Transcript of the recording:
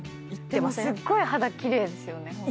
でもすっごい肌奇麗ですよね。